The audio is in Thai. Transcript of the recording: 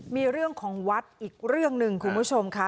มีเรื่องของวัดอีกเรื่องหนึ่งคุณผู้ชมค่ะ